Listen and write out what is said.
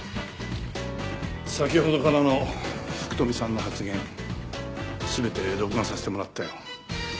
先ほどからの福富さんの発言全て録画させてもらったよ。